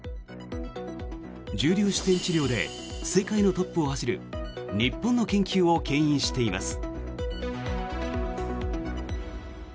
重粒子線治療で世界のトップを走る日本の研究をけん引しています。